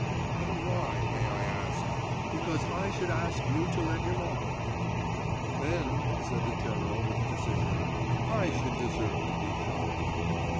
"And why, may I ask?" "Because I should ask you to let him off." "Then," said the General with decision, "I should deserve to be shot.